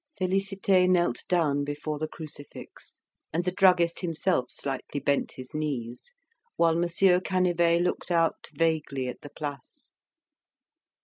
Félicité knelt down before the crucifix, and the druggist himself slightly bent his knees, while Monsieur Canivet looked out vaguely at the Place.